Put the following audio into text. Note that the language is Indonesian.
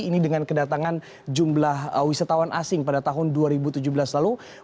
ini dengan kedatangan jumlah wisatawan asing pada tahun dua ribu tujuh belas lalu